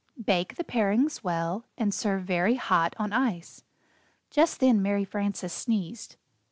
Bake the parings well, and serve very hot on ice." Just then Mary Frances sneezed.